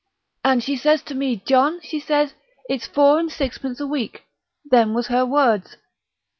"And she says to me, 'John,' she says, 'it's four and sixpence a week' them was her words.